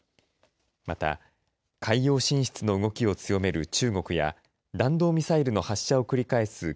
また、海洋進出の動きを強める中国や弾道ミサイルの発射を繰り返す